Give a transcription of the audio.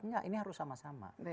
enggak ini harus sama sama